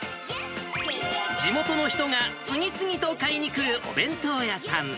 地元の人が次々と買いに来るお弁当屋さん。